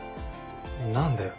何だよ。